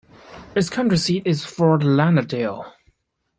Its county seat is Fort Lauderdale.